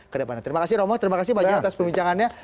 terima kasih romo terima kasih pak jaya atas perbincangannya